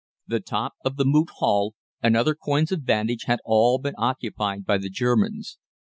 The top of the Moot Hall and other coigns of vantage had all been occupied by the Germans.